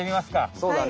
そうだね。